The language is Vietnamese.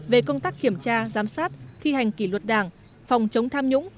về công tác kiểm tra giám sát thi hành kỷ luật đảng phòng chống tham nhũng